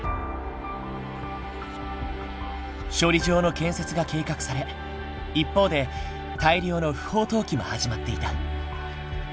処理場の建設が計画され一方で大量の不法投棄も始まっていた。